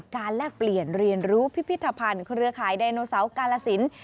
แลกเปลี่ยนเรียนรู้พิพิธภัณฑ์เครือข่ายไดโนเสาร์กาลสิน